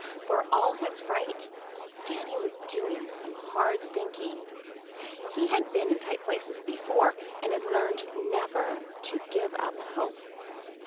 For all his fright, Danny was doing some hard thinking. He had been in tight places before and had learned never to give up hope.